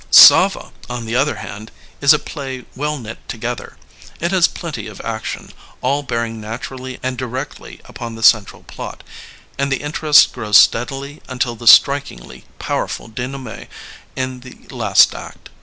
Savva, on the other hand, is a play well knit together. It has plenty of action, all bearing naturally and directly upon the central plot, and the interest grows steadily until the strikingly powerful denouement in the last act.